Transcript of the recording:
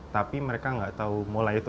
tapi mereka nggak tahu molai itu aja ya